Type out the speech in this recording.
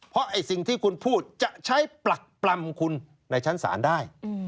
เพราะไอ้สิ่งที่คุณพูดจะใช้ปรักปรำคุณในชั้นศาลได้